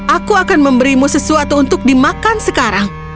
aku akan memberimu sesuatu untuk dimakan sekarang